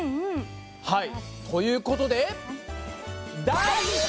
はいということで。